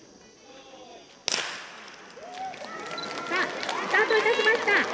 「さあスタートいたしました」。